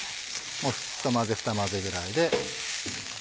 ひと混ぜふた混ぜぐらいで。